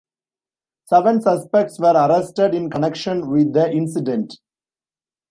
Seven suspects were arrested in connection with the incident.